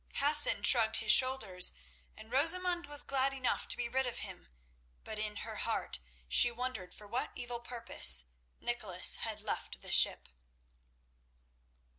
Hassan shrugged his shoulders, and Rosamund was glad enough to be rid of him, but in her heart she wondered for what evil purpose Nicholas had left the ship.